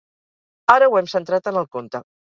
Ara ho hem centrat en el conte.